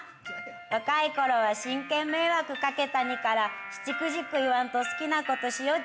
若い頃は真剣迷惑かけたにからしちくじく言わんと好きなことしよっ